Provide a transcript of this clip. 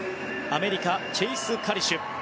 アメリカ、チェイス・カリシュ。